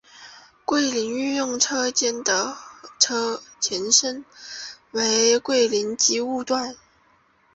桂林运用车间的前身为桂林机务段。